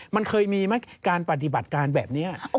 มันเคยมีไหมการปฏิบัติการแบบนี้